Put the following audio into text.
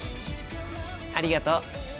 ありがとう。